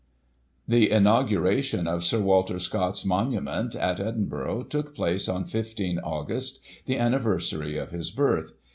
The inauguration of Sir Walter Scott's Monument, at Edin burgh, took place on 15 Aug., the anniversary of his birth.